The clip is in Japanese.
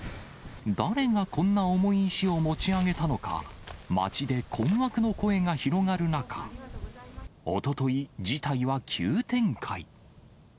誰がこんな重い石を持ち上げたのか、町で困惑の声が広がる中、おととい、事態は急展開。